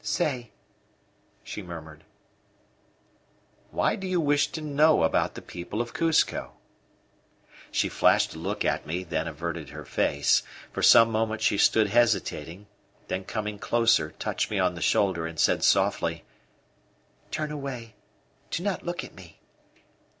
"Say," she murmured. "Why do you wish to know about the people of Cuzco?" She flashed a look at me, then averted her face. For some moments she stood hesitating; then, coming closer, touched me on the shoulder and said softly: "Turn away, do not look at me."